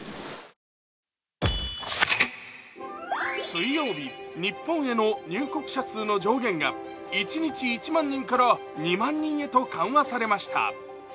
水曜日、日本への入国者数の上限が一日１万人から２万人へと緩和されました。